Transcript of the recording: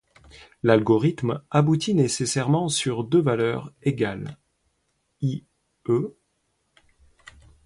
L'algorithme aboutit nécessairement sur deux valeurs égales, i.e.